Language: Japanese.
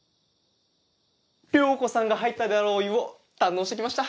遼子さんが入ったであろうお湯を堪能してきました。